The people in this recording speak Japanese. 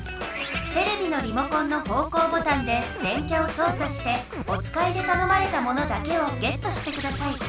テレビのリモコンの方向ボタンで電キャをそうさしておつかいでたのまれたものだけをゲットしてください。